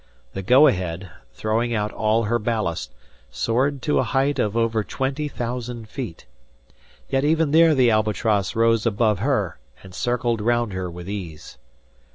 The "Go Ahead," throwing out all her ballast, soared to a height of over twenty thousand feet. Yet even there the "Albatross" rose above her, and circled round her with ease.